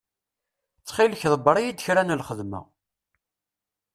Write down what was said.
Ttxil-k ḍebbeṛ-iyi-d kra n lxedma.